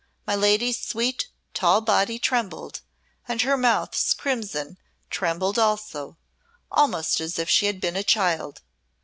My lady's sweet, tall body trembled, and her mouth's crimson trembled also, almost as if she had been a child.